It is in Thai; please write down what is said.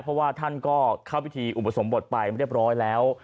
เพราะว่าท่านก็เข้าพิธีอุปสมบทไปเรียบร้อยแล้ว